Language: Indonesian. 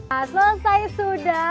nah selesai sudah